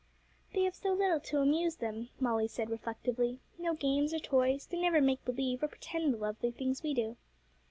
'They have so little to amuse them,' Molly said reflectively: 'no games or toys; they never make believe, or pretend the lovely things we do.'